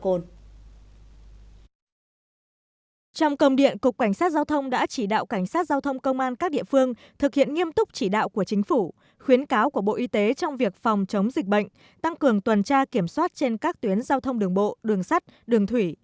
trong công điện cục cảnh sát giao thông đã chỉ đạo cảnh sát giao thông công an các địa phương thực hiện nghiêm túc chỉ đạo của chính phủ khuyến cáo của bộ y tế trong việc phòng chống dịch bệnh tăng cường tuần tra kiểm soát trên các tuyến giao thông đường bộ đường sắt đường thủy